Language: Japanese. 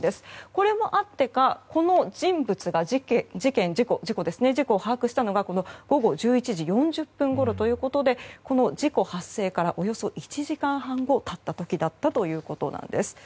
これもあってかこの人物が事故を把握したのが午後１１時４０分ごろということで事故発生からおよそ１時間半後が経った時だったということです。